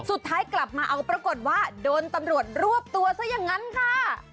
สุดท้ายกลับมาเอาปรากฏว่าโดนตำรวจรวบตัวซะอย่างนั้นค่ะ